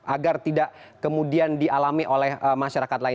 agar tidak kemudian dialami oleh mas okta